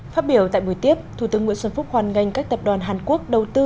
phát biểu tại buổi tiếp thủ tướng nguyễn xuân phúc hoàn ngành các tập đoàn hàn quốc đầu tư